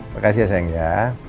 makasih ya sayang ya